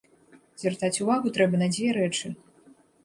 Звяртаць увагу трэба на дзве рэчы.